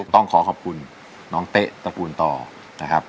ต้องขอขอบคุณน้องเต๊ะตระกูลต่อนะครับ